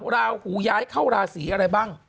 ราหูย้ายเข้าราศีอะไรบ้าง